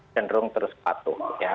jendrung terus patuh